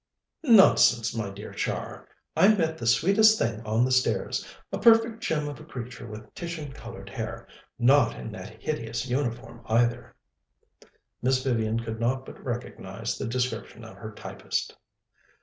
"Nonsense, my dear Char! I met the sweetest thing on the stairs a perfect gem of a creature with Titian coloured hair. Not in that hideous uniform, either." Miss Vivian could not but recognize the description of her typist.